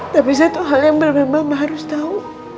tapi satu hal yang benar benar minta maaf tau